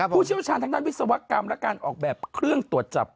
ผู้เชี่ยวชาญทางด้านวิศวกรรมและการออกแบบเครื่องตรวจจับ